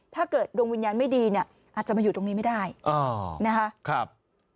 ดวงวิญญาณไม่ดีเนี่ยอาจจะมาอยู่ตรงนี้ไม่ได้นะคะ